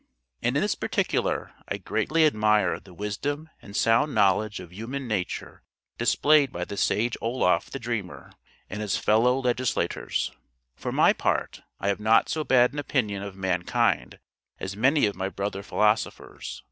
And in this particular I greatly admire the wisdom and sound knowledge of human nature displayed by the sage Oloffe the Dreamer and his fellow legislators. For my part, I have not so bad an opinion of mankind as many of my brother philosophers.